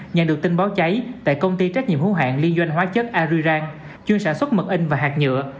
nhận được tin báo cháy tại công ty trách nhiệm hữu hạng liên doanh hóa chất arizon chuyên sản xuất mật in và hạt nhựa